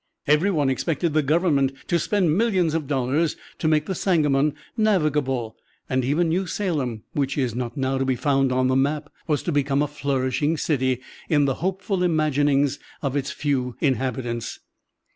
Every one expected the Government to spend millions of dollars to make the Sangamon navigable, and even New Salem (which is not now to be found on the map) was to become a flourishing city, in the hopeful imaginings of its few inhabitants.